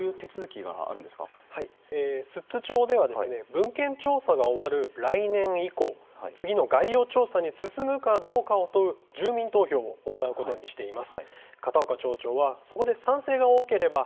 次の概要調査ですけれどもこれ、進むには寿都町では文献調査が終わる来年以降次の概要調査に進むかどうかを問う住民投票を行うことにしています。